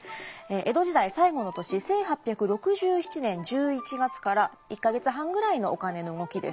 江戸時代最後の年１８６７年１１月から１か月半ぐらいのお金の動きです。